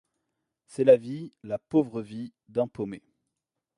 C'est la vie, la pauvre vie, d'un paumé.